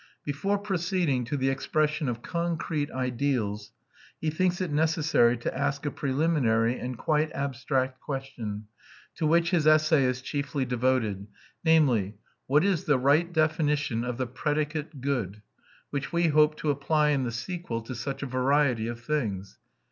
Before proceeding to the expression of concrete ideals, he thinks it necessary to ask a preliminary and quite abstract question, to which his essay is chiefly devoted; namely, what is the right definition of the predicate "good," which we hope to apply in the sequel to such a variety of things?